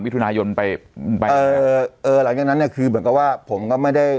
ทุนายนไปไปเออเออหลังจากนั้นเนี่ยคือเหมือนกับว่าผมก็ไม่ได้